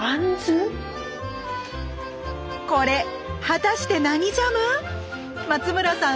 これ果たして何ジャム⁉松村さん